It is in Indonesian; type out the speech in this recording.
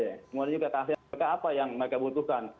kemudian juga kasihan mereka apa yang mereka butuhkan